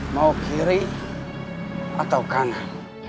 mau kiri atau kanan